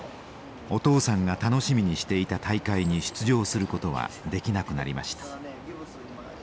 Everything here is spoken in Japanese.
お父さんが楽しみにしていた大会に出場することはできなくなりました。